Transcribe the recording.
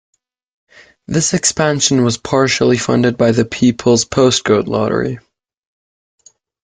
This expansion was partially funded by the People's Postcode Lottery.